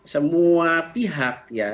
semua pihak ya